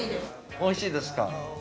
美味しいですか。